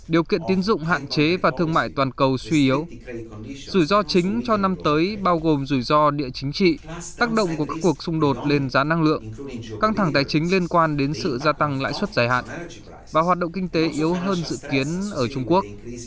điều kiện tiến dụng hạn chế và thương mại toàn cầu suy yếu rủi ro chính cho năm tới bao gồm rủi ro địa chính trị tác động của các cuộc xung đột lên giá năng lượng căng thẳng tài chính liên quan đến sự gia tăng lãi suất dài hạn và hoạt động kinh tế yếu hơn dự kiến ở trung quốc